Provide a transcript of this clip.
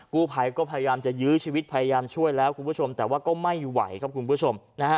กูภัยก็พยายามจะยื้อชีวิตพยายามช่วยแล้วแต่ว่าก็ไม่ไหวครับคุณผู้ชม